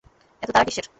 এত তাড়া কিসের?